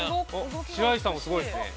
白石さんもすごいですね。